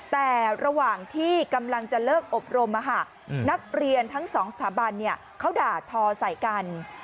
แต่ระหว่างที่กำลังจะเลิกอบรมนักเรียนทั้งสองสถาบันเขาด่าทอใส่กัน